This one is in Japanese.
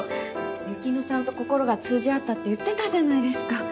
雪乃さんと心が通じ合ったって言ってたじゃないですか。